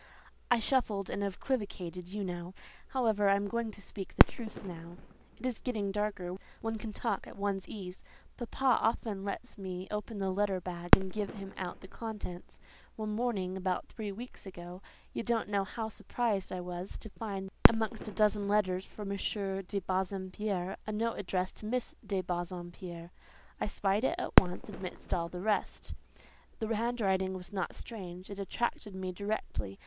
"I shuffled and equivocated, you know. However, I am going to speak the truth now; it is getting darker; one can talk at one's ease. Papa often lets me open the letter bag and give him out the contents. One morning, about three weeks ago, you don't know how surprised I was to find, amongst a dozen letters for M. de Bassompierre, a note addressed to Miss de Bassompierre. I spied it at once, amidst all the rest; the handwriting was not strange; it attracted me directly.